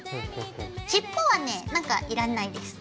尻尾はねなんかいらないです。